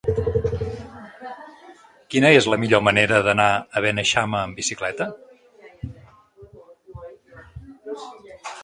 Quina és la millor manera d'anar a Beneixama amb bicicleta?